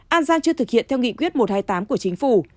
an giang chưa thực hiện theo nghị quyết một trăm hai mươi tám của chính phủ